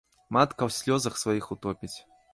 Матка ў слёзах сваіх утопіць.